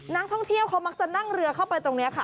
นักท่องเที่ยวเขามักจะนั่งเรือเข้าไปตรงนี้ค่ะ